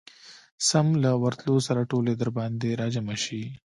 سم له ورتلو سره ټولې درباندي راجمعه شي.